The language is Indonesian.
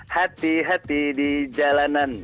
hati hati di jalanan